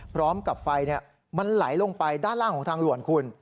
พร้อมกับไฟมันไหลลงไปด้านล่างของทางด่วนคุณ